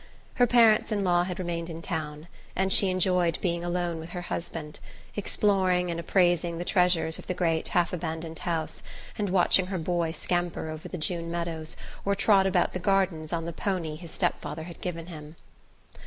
Her parents in law had remained in town, and she enjoyed being alone with her husband, exploring and appraising the treasures of the great half abandoned house, and watching her boy scamper over the June meadows or trot about the gardens on the poney his stepfather had given him.